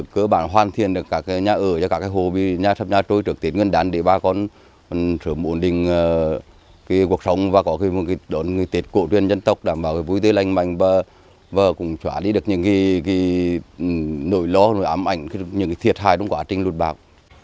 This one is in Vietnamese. cơ bản hoàn thiện được các nhà ở và các hồ bị sập nhà trôi trực tiến ngân đán để bà con sửa mộn đình cuộc sống và có đón người tết cổ truyền dân tộc đảm bảo vui tươi lành mạnh và cũng trả lý được những nỗi lo nỗi ám ảnh những thiệt hại đúng quá trên lột bạc